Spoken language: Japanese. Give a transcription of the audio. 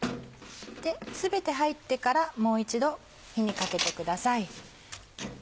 全て入ってからもう一度火にかけてください。